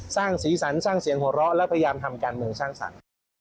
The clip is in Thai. สร้างสีสันสร้างเสียงหัวเราะและพยายามทำการเมืองสร้างสรรค์